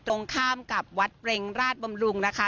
ตรงข้ามกับวัดเปรงราชบำรุงนะคะ